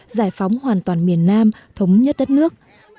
giải phóng hoàn toàn miền nam thống nhất đất nước